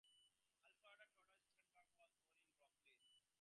Alfreda Theodora Strandberg was born in Brooklyn, New York.